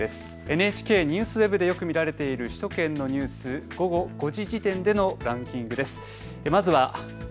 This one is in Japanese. ＮＨＫＮＥＷＳＷＥＢでよく見られている首都圏のニュース、午後５時時点でのランキングです。